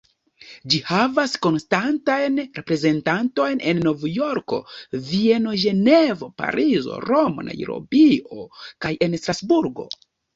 Ĝi havas konstantajn reprezentantojn en Novjorko, Vieno, Ĝenevo, Parizo, Romo, Najrobio kaj en Strasburgo.